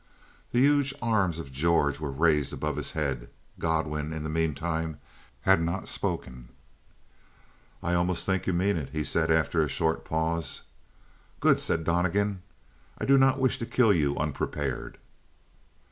The huge arms of George were raised above his head; Godwin, in the meantime, had not spoken. "I almost think you mean it," he said after a short pause. "Good," said Donnegan. "I do not wish to kill you unprepared."